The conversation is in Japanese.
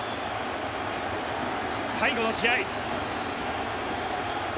最後の試合。